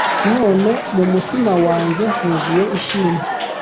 None mu mutima wanjye huzuye Ishimwe